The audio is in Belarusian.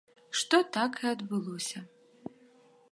Што так і так адбылося.